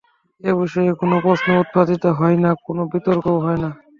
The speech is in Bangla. এ বিষয়ে কোনো প্রশ্নও উত্থাপিত হয় না, কোনো বিতর্কও হয় না।